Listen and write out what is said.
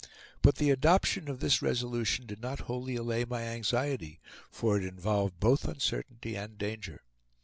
But the adoption of this resolution did not wholly allay my anxiety, for it involved both uncertainty and danger.